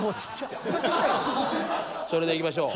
それではいきましょう。